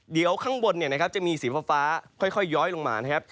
เดี๋ยวข้างบนเนี่ยนะครับจะมีสีฟ้าฟ้าค่อยค่อยย้อยลงมานะครับ